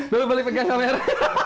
dari belakang pegang kamera